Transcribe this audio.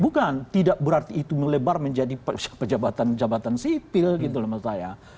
bukan tidak berarti itu melebar menjadi pejabatan jabatan sipil gitu loh maksud saya